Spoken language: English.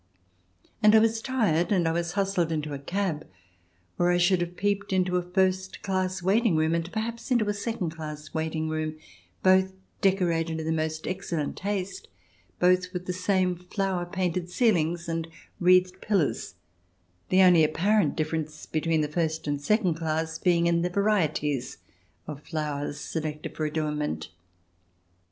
I was tired, and I was hustled into a cab, or I should have peeped into a first class waiting room, and perhaps into a second class waiting room^ both decorated in the most excellent taste, both with the same flower painted ceilings and wreathed pillars, the only apparent difference between first and second class being in the varieties of flowers selected for adornment.